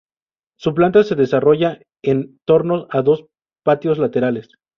Su planta se desarrolla en torno a dos patios laterales.